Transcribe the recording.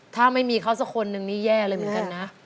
ถ้าไม่มีเขาสักคนนึงนี่แย่เลยเหมือนกันนะ